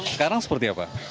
sekarang seperti apa